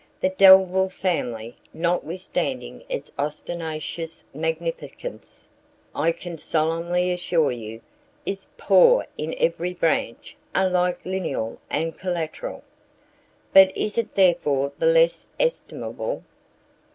The Delvile family, notwithstanding its ostentatious magnificence, I can solemnly assure you, is poor in every branch, alike lineal and collateral." "But is it therefore the less estimable?"